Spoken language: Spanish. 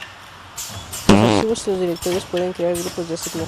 Los archivos y los directorios pueden crear grupos de asignación.